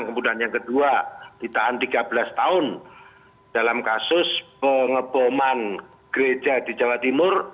kemudian yang kedua ditahan tiga belas tahun dalam kasus pengeboman gereja di jawa timur